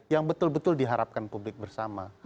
yang betul betul diharapkan publik bersama